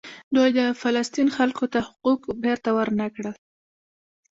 دوی د فلسطین خلکو ته حقوق بیرته ورنکړل.